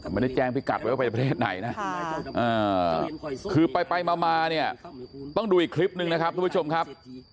ไม่ได้แจ้งพิกัดไว้ว่าไปประเทศไหนนะคือไปมาเนี่ยต้องดูอีกคลิปนึงนะครับทุกผู้ชมครับ